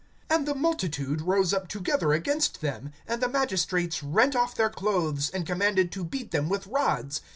(22)And the multitude rose up together against them; and the magistrates rent off their clothes, and commanded to beat them with rods.